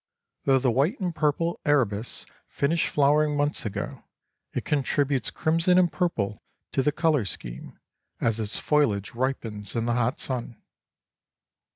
Though the white and purple arabis finished flowering months ago, it contributes crimson and purple to the colour scheme, as its foliage ripens in the hot sun.